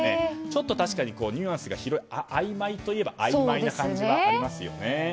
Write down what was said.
ちょっと確かにニュアンスがあいまいといえばあいまいな感じはありますよね。